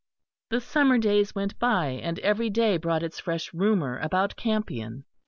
The summer days went by, and every day brought its fresh rumour about Campion.